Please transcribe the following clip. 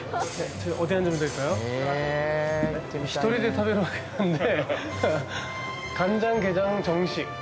一人で食べるわけなんで。